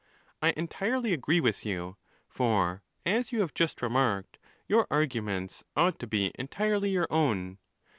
—I entirely agree with you ; for as you have just remarked, your arguments ought to be entirely your own.